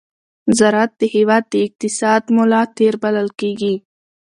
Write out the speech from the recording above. زراعت د هېواد د اقتصاد ملا تېر بلل کېږي.